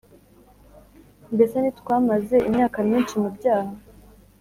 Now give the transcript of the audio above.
Mbese ntitwamaze imyaka myinshi mu byaha?